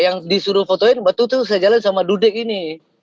yang disuruh fotoin waktu itu saya jalan sama dudek ini